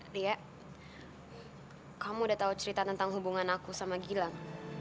dia kamu udah tahu cerita tentang hubungan aku sama gilang